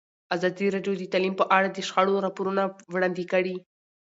ازادي راډیو د تعلیم په اړه د شخړو راپورونه وړاندې کړي.